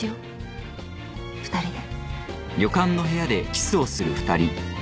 ２人で